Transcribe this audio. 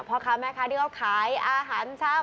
พ่อค้าแม่ค้าที่เขาขายอาหารเช้า